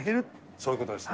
そういうことですね。